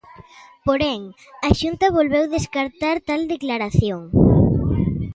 Porén, a Xunta volveu descartar tal declaración.